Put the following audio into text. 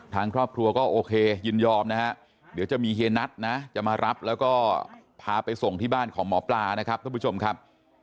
ทางครอบครัวก็โอเคยินยอมนะฮะเดี๋ยวจะมีเฮียนัทนะจะมารับแล้วก็พาไปส่งที่บ้านของหมอปลานะครับท่านผู้ชมครับ